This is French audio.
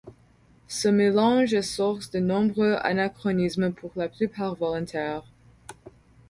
Ce mélange est source de nombreux anachronismes pour la plupart volontaires.